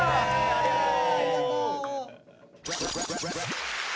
ありがとう！